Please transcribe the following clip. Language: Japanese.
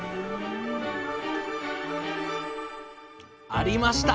ありました！